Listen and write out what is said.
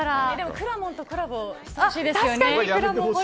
くらもんとコラボしてほしいですね。